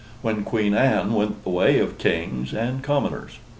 when Queen Anne went the way of kings and commoners.